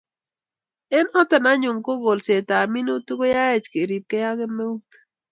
Eng' notok anyun ko kolset ab minutik koyaech keripkei ak kemeut